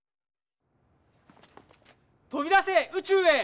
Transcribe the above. とびだせ宇宙へ！